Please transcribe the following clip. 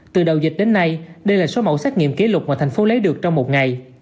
từ đầu dịch đến nay đây là số mẫu xét nghiệm kỷ lục mà thành phố lấy được trong một ngày